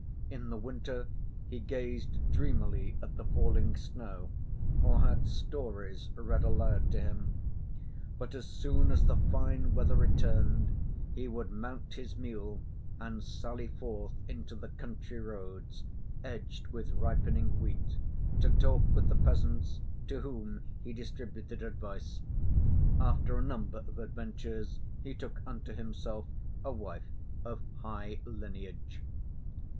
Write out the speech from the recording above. In the winter, he gazed dreamily at the falling snow, or had stories read aloud to him. But as soon as the fine weather returned, he would mount his mule and sally forth into the country roads, edged with ripening wheat, to talk with the peasants, to whom he distributed advice. After a number of adventures he took unto himself a wife of high lineage.